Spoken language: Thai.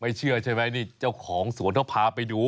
เชื่อใช่ไหมนี่เจ้าของสวนเขาพาไปดู